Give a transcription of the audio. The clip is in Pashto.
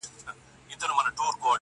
بس يوازي خوښي خپلي يې كيسې وې،